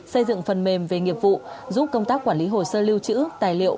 xây dựng phần mềm về nghiệp vụ giúp công tác quản lý hồ sơ lưu trữ tài liệu